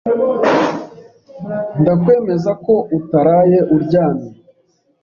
Ndakwemeza ko utaraye uryamye.